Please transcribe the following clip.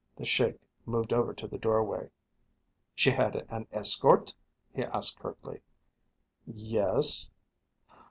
The Sheik moved over to the doorway. "She had an escort?" he asked curtly. "Yes."